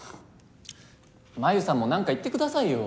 真夢さんもなんか言ってくださいよ。